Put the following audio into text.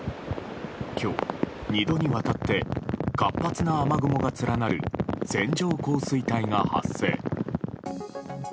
今日２度にわたって活発な雨雲が連なる線状降水帯が発生。